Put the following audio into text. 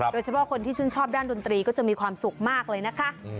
โดยเฉพาะคนที่ชื่นชอบด้านดนตรีก็จะมีความสุขมากเลยนะคะ